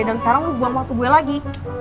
dan sekarang lo buang waktu gue lagi